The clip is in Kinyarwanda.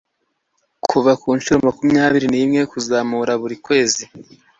kuva ku nshuro makumyabiri nimwe kuzamura buri kwezi